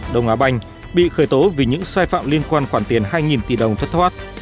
đông á banh bị khởi tố vì những sai phạm liên quan khoản tiền hai tỷ đồng thất thoát